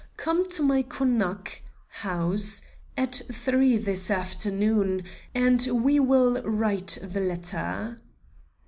Come to my Konak (house) at three this afternoon, and we will write the letter."